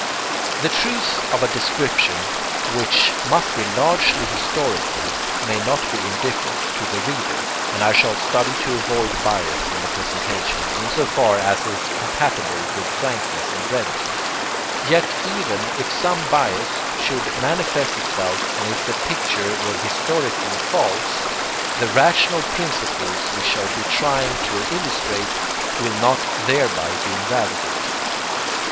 The truth of a description which must be largely historical may not be indifferent to the reader, and I shall study to avoid bias in the presentation, in so far as is compatible with frankness and brevity; yet even if some bias should manifest itself and if the picture were historically false, the rational principles we shall be trying to illustrate will not thereby be invalidated.